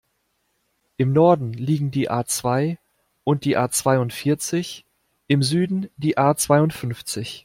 Im Norden liegen die A-zwei und die A-zweiundvierzig, im Süden die A-zweiundfünfzig.